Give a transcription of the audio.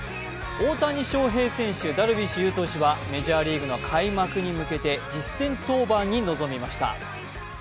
大谷翔平選手、ダルビッシュ有投手はメジャーリーグの開幕に向けて実戦登板に臨みました。